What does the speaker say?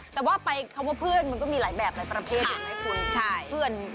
แต่ว่าไปคำว่าเพื่อนมันก็มีหลายแบบในประเภทเห็นไหมคุณ